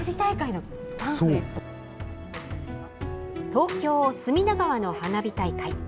東京・隅田川の花火大会。